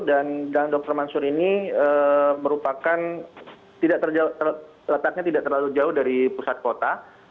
dan jalan dr mansur ini merupakan letaknya tidak terlalu jauh dari pusat kota